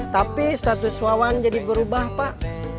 tapi status wawan jadi berubah pak